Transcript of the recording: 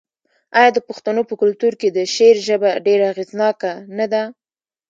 آیا د پښتنو په کلتور کې د شعر ژبه ډیره اغیزناکه نه ده؟